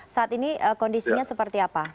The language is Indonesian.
saat ini kondisinya seperti apa